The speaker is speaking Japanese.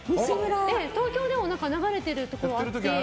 東京でも流れてるところがあって。